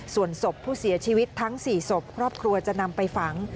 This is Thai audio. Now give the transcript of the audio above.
ส่วนศพผู้เสียชีวิตทั้ง๔ศพครอบครัวจะนำไปฝัง